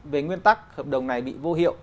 về nguyên tắc hợp đồng này bị vô hiệu